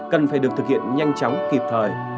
cần phải được thực hiện nhanh chóng kịp thời